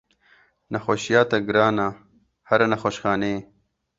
Nexweşiya te giran e here nexweşxaneyê.